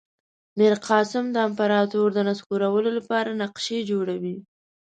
میرقاسم د امپراطور د نسکورولو لپاره نقشې جوړوي.